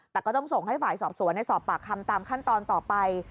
แต่ก็ต้องส่งให้ฝ่ายสอบสวนสอบปากคำตามขั้นตอนต่อไป